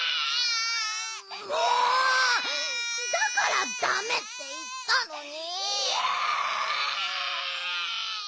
だからだめっていったのに。